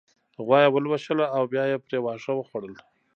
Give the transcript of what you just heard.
غوا يې ولوشله او بيا يې پرې واښه وخوړل